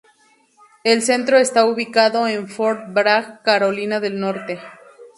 El Centro está ubicado en Fort Bragg, Carolina del Norte.